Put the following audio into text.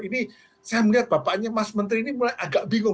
ini saya melihat bapaknya mas menteri ini mulai agak bingung